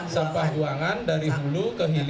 sampah buangan dari hulu ke hilir